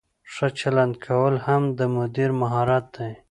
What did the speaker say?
ښه چلند کول هم د مدیر مهارت دی.